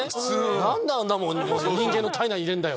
何であんなもん人間の体内に入れんだよ！